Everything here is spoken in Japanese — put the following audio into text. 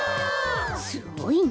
すごいね。